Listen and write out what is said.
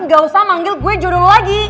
gak usah manggil gue jodoh lo lagi